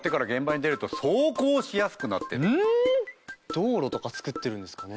道路とか造ってるんですかね？